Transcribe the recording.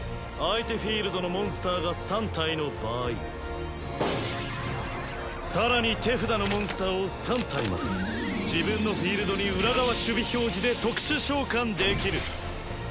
相手フィールドのモンスターが３体の場合更に手札のモンスターを３体まで自分のフィールドに裏側守備表示で特殊召喚できる。